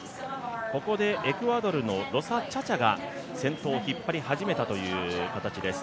ここでエクアドルのロサ・チャチャが、先頭を引っ張り始めたという形です。